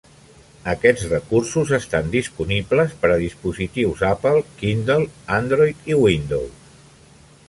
Aquests recursos estan disponibles per a dispositius Apple, Kindle, Android i Windows.